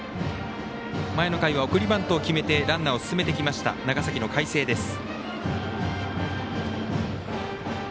前の回は送りバントを決めてランナーを進めてきました長崎の海星です。